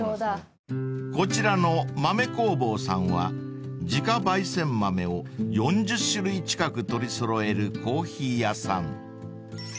［こちらの豆香房さんは自家ばい煎豆を４０種類近く取り揃えるコーヒー屋さん］